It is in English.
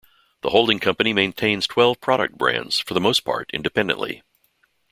The holding company maintains twelve product brands, for the most part independently.